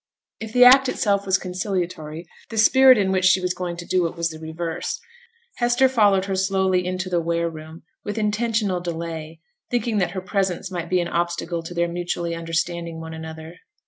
If the act itself was conciliatory, the spirit in which she was going to do it was the reverse. Hester followed her slowly into the ware room, with intentional delay, thinking that her presence might be an obstacle to their mutually understanding one another.